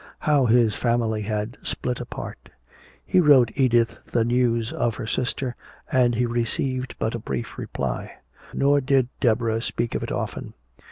How his family had split apart. He wrote Edith the news of her sister, and he received but a brief reply. Nor did Deborah speak of it often.